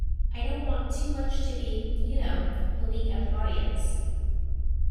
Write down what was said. I don't want too much to be, you know, a wink at the audience.